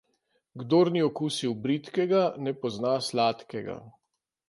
Kdor ni okusil bridkega, ne pozna sladkega.